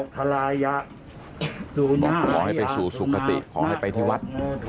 ขอให้ไปสู่สุขติขอให้ไปที่วัด